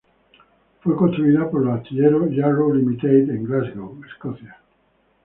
Fue construida por los astilleros Yarrow Ltd en Glasgow, Escocia.